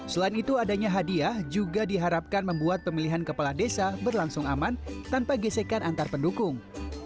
selain itu adanya hadiah juga diharapkan membuat pemilihan kepala desa berlangsung aman tanpa gesekan antar pendukung